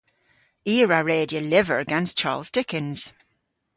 I a wra redya lyver gans Charles Dickens.